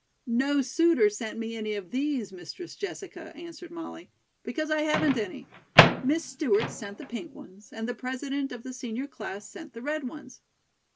"No suitor sent me any of these, Mistress Jessica," answered Molly, "because I haven't any. Miss Stewart sent the pink ones, and the President of the senior class sent the red ones.